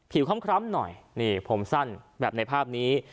คล้ำหน่อยนี่ผมสั้นแบบในภาพนี้